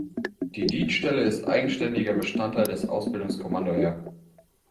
Die Dienststelle ist eigenständiger Bestandteil des Ausbildungskommando Heer.